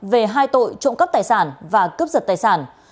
về hai tội trộm cắp tài sản và cướp giật tài sản